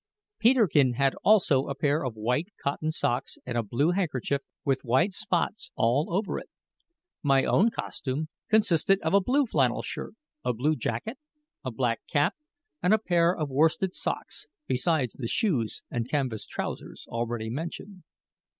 Peterkin had also a pair of white cotton socks and a blue handkerchief with white spots all over it. My own costume consisted of a blue flannel shirt, a blue jacket, a black cap, and a pair of worsted socks, besides the shoes and canvas trousers already mentioned.